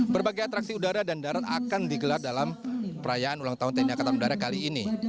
berbagai atraksi udara dan darat akan digelar dalam perayaan ulang tahun tni angkatan udara kali ini